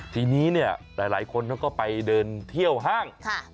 ทีนี้เนี่ยหลายคนเขาก็ไปเดินเที่ยวห้าง